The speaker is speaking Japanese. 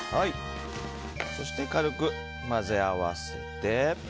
そして軽く混ぜ合わせて。